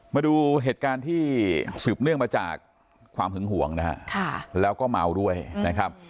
มาดูเหตุการณ์ที่สืบเนื่องมาจากความหึงห่วงนะฮะแล้วก็เมาด้วยนะครับ